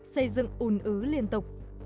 xây dựng ùn ứ liên tục